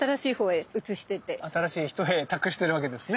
新しい人へ託してるわけですね。